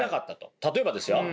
例えばですよ。